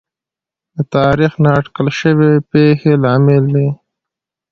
د تاریخ نااټکل شوې پېښې لامل دي.